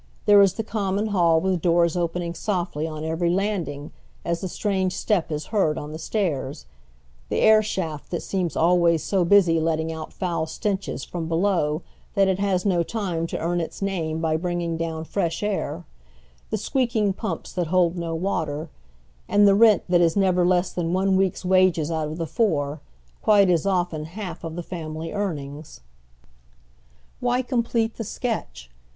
There is the common hall with doors opening softly on every landing oy Google 164 HOW THE OTHEK HALF LIVES. as the strange step is lieard on the stairs, the air eliaf t that seems always so hnsy letting out foul stencltes from below that it has no time to earn its name by bringing down fresL air, the squeaking pumps that hold no water, and the rent that is never lees than one week's wages out of the four, quite as often half of the family earnings. "Wliy complete the sketch